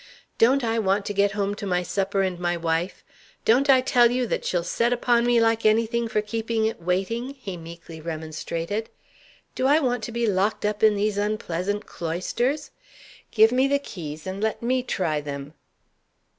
"Don't I want to get home to my supper and my wife? Don't I tell you that she'll set upon me like anything for keeping it waiting?" he meekly remonstrated. "Do I want to be locked up in these unpleasant cloisters? Give me the keys and let me try them."